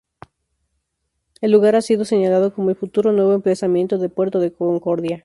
El lugar ha sido señalado como futuro nuevo emplazamiento del puerto de Concordia.